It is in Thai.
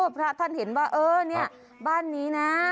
พระท่านเห็นว่าเออเนี่ยบ้านนี้นะ